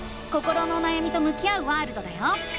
心のおなやみと向き合うワールドだよ！